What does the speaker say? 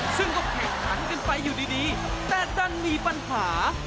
ซึ่งก็แข่งขันกันไปอยู่ดีแต่ดันมีปัญหา